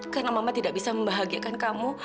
karena mama tidak bisa membahagiakan kamu